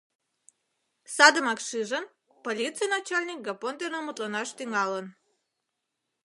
Садымак шижын, полиций начальник Гапон дене мутланаш тӱҥалын.